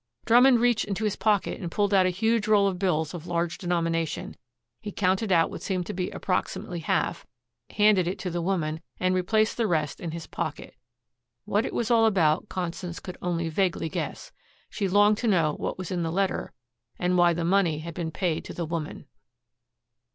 Drummond reached into his pocket and pulled out a huge roll of bills of large denomination. He counted out what seemed to be approximately half, handed it to the woman, and replaced the rest in his pocket. What it was all about Constance could only vaguely guess. She longed to know what was in the letter and why the money had been paid to the woman.